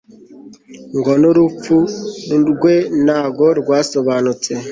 ngo n'urupfu rwe ntago rwasobanutse